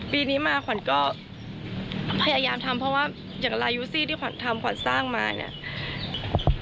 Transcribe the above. ปีนี้มาขวัญก็พยายามทำเพราะว่าอย่างลายูซี่ที่ขวัญทำขวัญสร้างมาเนี่ย